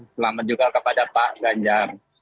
selamat juga kepada pak ganjar